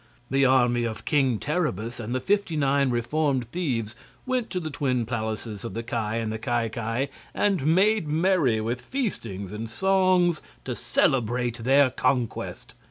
The army of King Terribus and the fifty nine reformed thieves went to the twin palaces of the Ki and the Ki Ki and made merry with feasting and songs to celebrate their conquest.